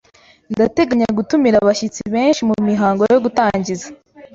Ndateganya gutumira abashyitsi benshi mumihango yo gutangiza.